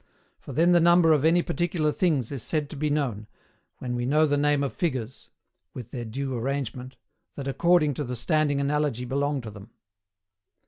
For then the number of any particular things is said to be known, when we know the name of figures (with their due arrangement) that according to the standing analogy belong to them.